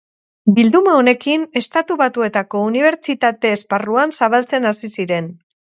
Bilduma honekin Estatu Batuetako unibertsitate esparruan zabaltzen hasi ziren.